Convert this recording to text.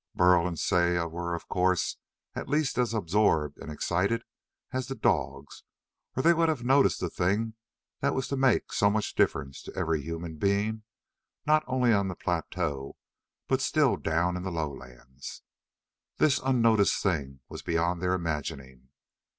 Burl and Saya were, of course, at least as absorbed and excited as the dogs, or they would have noticed the thing that was to make so much difference to every human being, not only on the plateau but still down in the lowlands. This unnoticed thing was beyond their imagining.